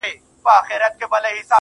چي وايي.